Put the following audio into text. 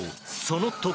その時。